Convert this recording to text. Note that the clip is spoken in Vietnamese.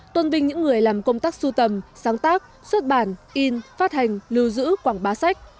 tôn vinh những người làm công tác sưu tầm sáng tác xuất bản in phát hành lưu giữ quảng bá sách